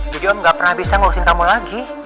jadi om gak pernah bisa ngurusin kamu lagi